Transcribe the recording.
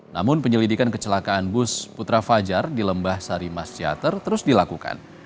namun penyelidikan kecelakaan bus putra fajar di lembah sarimas ciater terus dilakukan